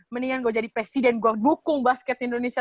mendingan gue jadi presiden gue dukung basket indonesia